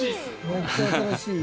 めっちゃ新しい家。